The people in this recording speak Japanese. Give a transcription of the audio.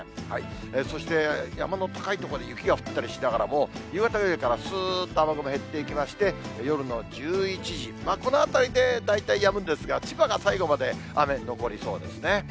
そして山の高い所、雪が降ったりしながらも、夕方ぐらいからすーっと雨雲減っていきまして、夜の１１時、このあたりで大体やむんですが、千葉が最後まで雨残りそうですね。